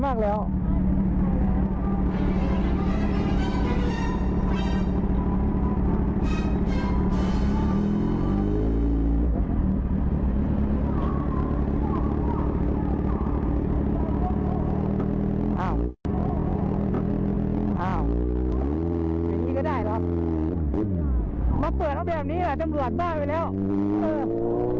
มาเปิดเอาแบบนี้ล่ะตำรวจแต่ไว้แล้ว